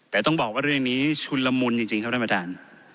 แต่ต้องบอกว่าเรื่องนี้ชุนละมุนจริงครับท่านประธาน